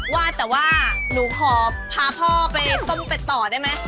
ว่าแต่ว่าหนูขอพาพ่อไปต้มเป็ดต่อได้ไหม